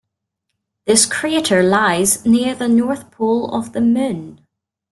This crater lies near the north pole of the Moon.